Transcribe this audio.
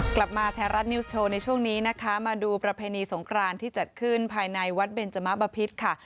กลับมาไทยรัฐนิวส์โชว์ในช่วงนี้นะคะมาดูประเพณีสงครานที่จัดขึ้นภายในวัดเบนจมะบะพิษค่ะ